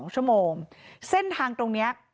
๒ชั่วโมงเส้นทางตรงนี้